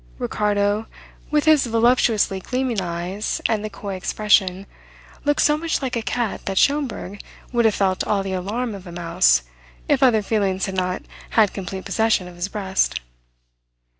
Ricardo, with his voluptuously gleaming eyes and the coy expression, looked so much like a cat that Schomberg would have felt all the alarm of a mouse if other feelings had not had complete possession of his breast.